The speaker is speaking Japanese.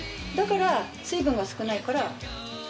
だから水分が少ないから。